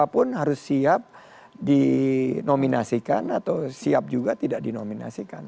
dan siapapun harus siap di nominasikan atau siap juga tidak di nominasikan